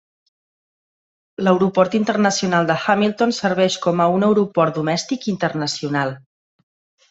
L'Aeroport Internacional de Hamilton serveix com a un aeroport domèstic i internacional.